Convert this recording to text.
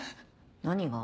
何が？